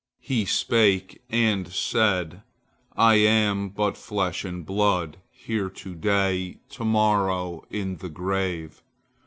He spake, and said: "I am but flesh and blood, here to day, to morrow in the grave.